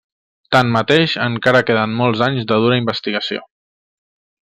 Tanmateix encara queden molts anys de dura investigació.